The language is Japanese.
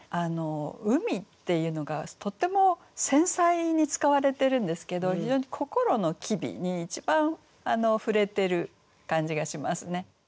「海」っていうのがとっても繊細に使われてるんですけど非常に心の機微に一番触れてる感じがしますね。